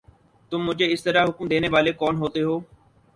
تم مجھے اس طرح حکم دینے والے کون ہوتے ہو؟